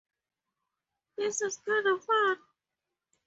This is kinda fun